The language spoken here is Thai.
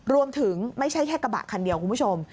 ไม่ใช่แค่กระบะคันเดียวคุณผู้ชม